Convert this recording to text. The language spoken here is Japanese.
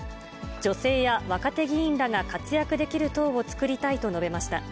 女性や若手議員らが活躍できる党を作りたいと述べました。